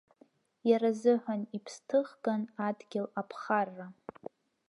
Иаразыҳәан иԥсҭыхган адгьыл аԥхарра.